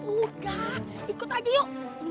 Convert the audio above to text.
udah ikut aja yuk